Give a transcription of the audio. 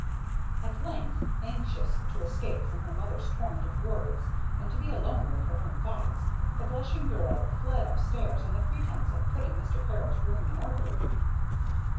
At length, anxious to escape from her mother's torrent of words, and to be alone with her own thoughts, the blushing girl fled up stairs on the pretence of putting Mr. Peril's room in order.